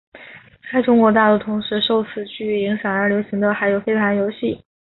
在中国大陆同时受此剧影响而流行的还有飞盘游戏。